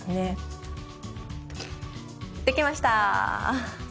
できました。